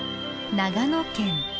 長野県。